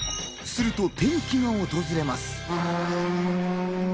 すると転機が訪れます。